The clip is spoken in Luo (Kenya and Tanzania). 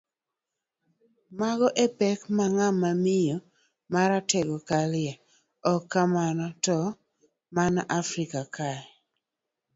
Mago epek ma ng'ama miyo marateng kaloe, ok kamoro to mana Afrika kae.